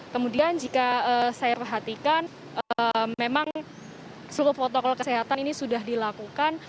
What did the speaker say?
kemudian jika saya perhatikan memang seluruh protokol kesehatan ini sudah dilakukan